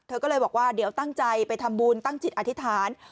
เธอก็เลยบอกว่าเดี๋ยวตั้งใจไปทำบุญตั้งจิตอธิษฐาน